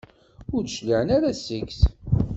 Ur d-tecliɛem ara seg-s.